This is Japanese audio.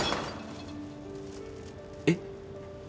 えっ？